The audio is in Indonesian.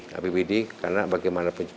rapbd karena bagaimana pun